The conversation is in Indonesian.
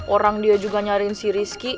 orang dia juga nyariin si rizky